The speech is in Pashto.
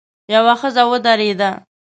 يوه ښځه ودرېده.